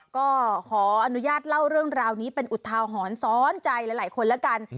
ก็ขออนุญาตเล่าเรื่องราวนี้เป็นอุทาหรณ์ซ้อนใจหลายคนแล้วกัน